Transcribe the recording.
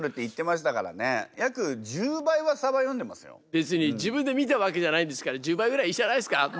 別に自分で見たわけじゃないんですから１０倍ぐらいいいじゃないですかあんな。